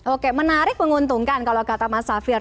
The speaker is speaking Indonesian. oke menarik menguntungkan kalau kata mas safir